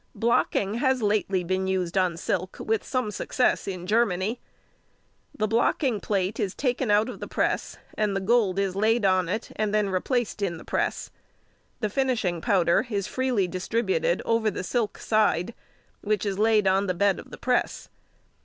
Blocking has been used lately on silk with some success in Germany. The blocking plate is taken out of the press, and the gold is laid on it, and then replaced in the press. The finishing powder is freely distributed over the silk side, which is laid on the bed of the press.